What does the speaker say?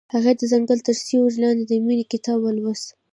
هغې د ځنګل تر سیوري لاندې د مینې کتاب ولوست.